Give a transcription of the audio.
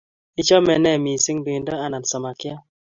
Ichome ne Missing?pendo anan samakyat